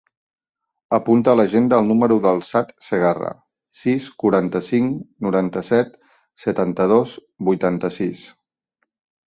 Apunta a l'agenda el número del Saad Cegarra: sis, quaranta-cinc, noranta-set, setanta-dos, vuitanta-sis.